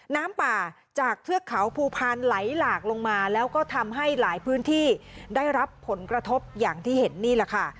น้ำป่าจากเทือกเขาภูพาลไหลหลากลงมาแล้วก็ทำให้หลายพื้นที่ได้รับผลกระทบอย่างที่เห็นนี่แหละค่ะ